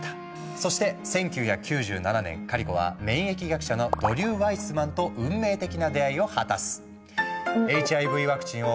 そして１９９７年カリコは免疫学者のドリュー・ワイスマンと運命的な出会いを果たす。